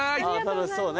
楽しそうね。